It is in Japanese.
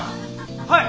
はい。